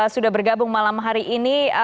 sudah bergabung malam hari ini